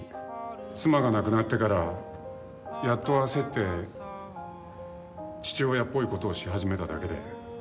妻が亡くなってからやっと焦って父親っぽいことをし始めただけで。